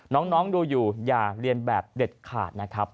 น้องดูอยู่อย่าเรียนแบบเด็ดขาดนะครับ